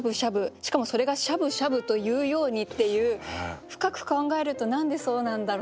しかもそれが「しゃぶしゃぶ」というようにっていう深く考えると「何でそうなんだろう」